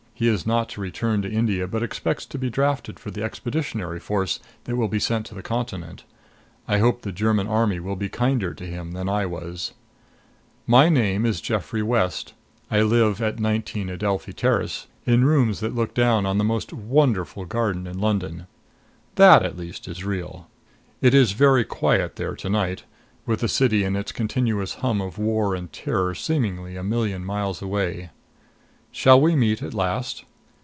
He is not to return to India, but expects to be drafted for the Expeditionary Force that will be sent to the Continent. I hope the German Army will be kinder to him than I was! My name is Geoffrey West. I live at nineteen Adelphi Terrace in rooms that look down on the most wonderful garden in London. That, at least, is real. It is very quiet there to night, with the city and its continuous hum of war and terror seemingly a million miles away. Shall we meet at last?